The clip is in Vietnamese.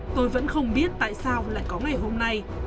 tôi vẫn không biết tại sao lại có ngày hôm nay